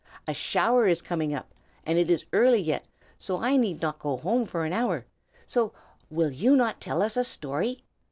A shower is coming up, and it is early yet, so I need not go home for an hour. So, will you not tell us a story?